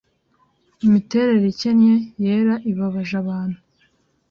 Imiterere ikennye yera ibabaje abantu